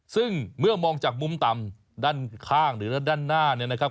ซึ่งเมื่อมองจากมุมต่ำด้านข้างหรือด้านหน้าเนี่ยนะครับ